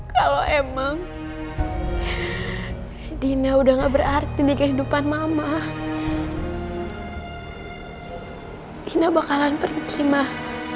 kalau emang dina udah gak berarti di kehidupan mama ina bakalan pergi mah